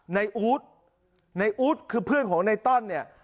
อู๊ดในอู๊ดคือเพื่อนของในต้อนเนี่ย